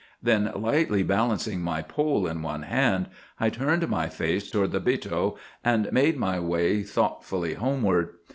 Then, lightly balancing my pole in one hand, I turned my face toward the 'bito,' and made my way thoughtfully homeward.